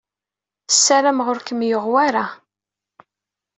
Ssarameɣ ur kem-yuɣ wara.